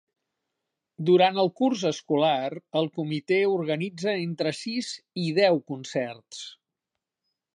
Durant el curs escolar, el comitè organitza entre sis i deu concerts.